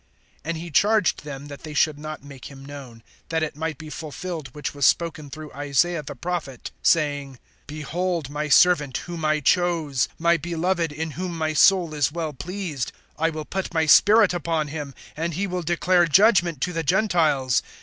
(16)And he charged them that they should not make him known; (17)that it might be fulfilled which was spoken through Isaiah the prophet, saying: (18)Behold my servant, whom I chose, My beloved, in whom my soul is well pleased. I will put my spirit upon him, And he will declare judgment to the Gentiles.